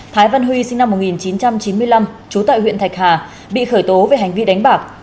thái văn huy sinh năm một nghìn chín trăm chín mươi năm trú tại huyện thạch hà bị khởi tố về hành vi đánh bạc